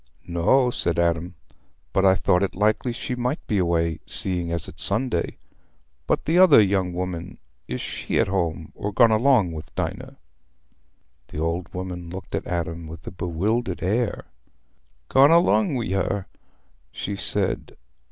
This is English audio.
"No," said Adam, "but I thought it likely she might be away, seeing as it's Sunday. But the other young woman—is she at home, or gone along with Dinah?" The old woman looked at Adam with a bewildered air. "Gone along wi' her?" she said.